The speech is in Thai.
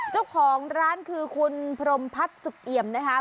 เจ้าของร้านคือคุณพรมพัฒน์สุขเอี่ยมนะคะ